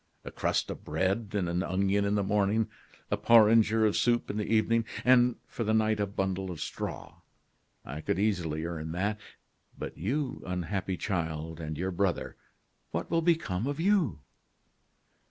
A crust of bread and an onion in the morning, a porringer of soup in the evening, and for the night a bundle of straw. I could easily earn that. But you, unhappy child! and your brother, what will become of you?"